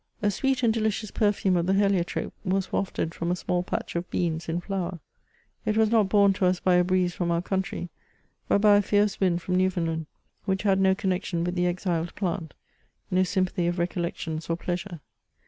A sweet and dehcious perfume of the heliotrope was wafted from a small patch of beans in flower ; it was not borne to us by a breeze from our country, but by a fierce wind from New foundland, which had no connexion with the exiled plant, no sym pathy of recollections or pleasure.